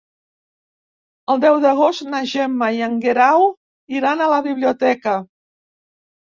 El deu d'agost na Gemma i en Guerau iran a la biblioteca.